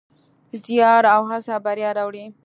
زیار او هڅه بریا راوړي.